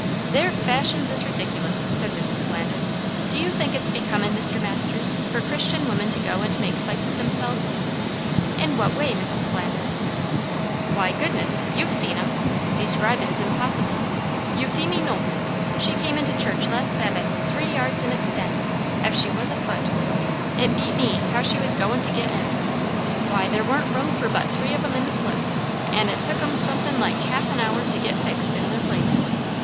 "Their fashions is ridiculous!" said Mrs. Flandin. "Do you think it's becomin', Mr. Masters, for Christian women to go and make sights of themselves?" "In what way, Mrs. Flandin?" "Why, goodness! you've seen 'em. Describin's impossible. Euphemie Knowlton, she came into church last Sabbath three yards in extent, ef she was a foot. It beat me, how she was goin' to get in. Why, there warn't room for but three of 'em in the slip, and it took 'em somethin' like half an hour to get fixed in their places.